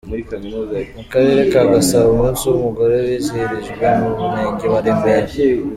Mu karere ka Gasabo umunsi w’umugore wizihirijwe mu murenge wa Remera.